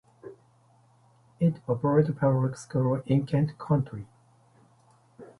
It operates public schools in Kent County.